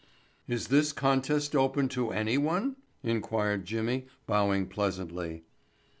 "Is this contest open to anyone?" inquired Jimmy bowing pleasantly.